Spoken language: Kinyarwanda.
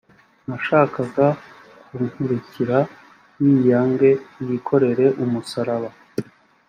nashaka kunkurikira yiyange yikorere umusaraba